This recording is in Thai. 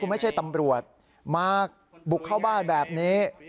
ไม่ใช่ตำรวจมาบุกเข้าบ้านแบบนี้